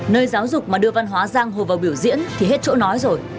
nơi giáo dục mà đưa văn hóa giang hồ vào biểu diễn thì hết chỗ nói rồi